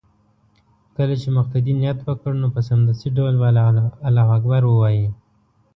كله چې مقتدي نيت وكړ نو په سمدستي ډول به الله اكبر ووايي